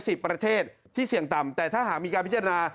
ประเทศที่เสี่ยงต่ำแต่ถ้าหากมีการพิจารณา